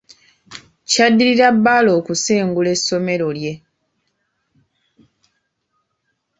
Kyaddirira Bbaale okusengula essomero lye